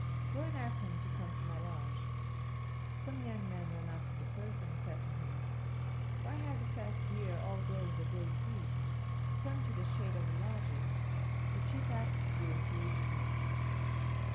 Go and ask him to come to my lodge." Some young men ran up to the person and said to him, "Why have you sat here all day in the great heat? Come to the shade of the lodges. The chief asks you to eat with him."